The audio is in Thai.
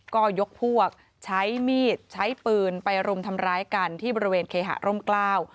ก็ยกพวกใช้มีดใช้ปืนไปรุมทำร้ายกันที่บริเวณเคหาร่มกล้า